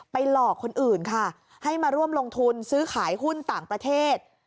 หลอกคนอื่นค่ะให้มาร่วมลงทุนซื้อขายหุ้นต่างประเทศ